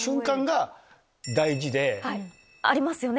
ありますよね